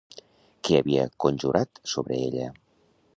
Què havia conjecturat sobre ella?